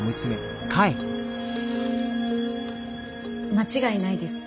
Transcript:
間違いないです。